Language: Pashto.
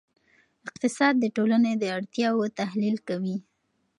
اقتصاد د ټولنې د اړتیاوو تحلیل کوي.